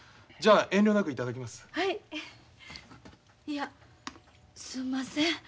いやすんません。